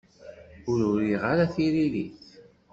Ur uriɣ ara tiririt.